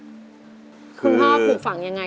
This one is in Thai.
คุณพ่อปลูกฝังยังไง